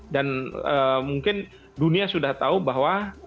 dan mungkin dunia sudah tahu bahwa